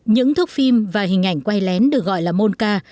những thước phim và hình ảnh quay lén được gọi là monka